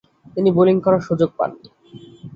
তিনি বোলিং করার সুযোগ পাননি।